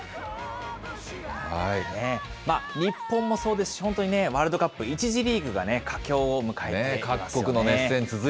日本もそうですし、本当にワールドカップ１次リーグが佳境を迎えていますよね。